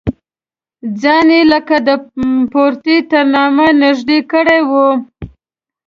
ځان یې لکه د پروتې تر نامه نږدې کړی و.